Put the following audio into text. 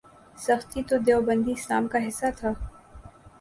سختی تو دیوبندی اسلام کا حصہ تھا۔